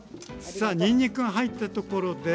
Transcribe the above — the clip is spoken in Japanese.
さあにんにくが入ったところで？